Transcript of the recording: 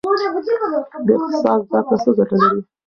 د اقتصاد زده کړه څه ګټه لري؟